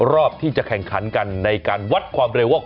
รอบที่จะแข่งขันกันในการวัดความเร็วว่า